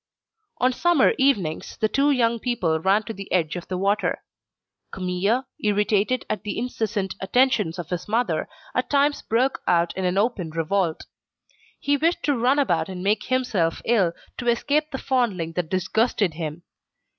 On summer evenings, the two young people ran to the edge of the water. Camille, irritated at the incessant attentions of his mother, at times broke out in open revolt. He wished to run about and make himself ill, to escape the fondling that disgusted him.